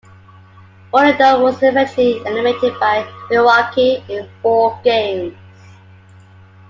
Orlando was eventually eliminated by Milwaukee in four games.